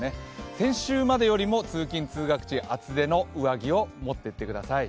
先週までよりも通勤・通学時厚手の上着を持っていってください。